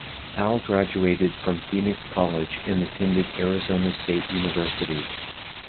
Al graduated from Phoenix College and attended Arizona State University.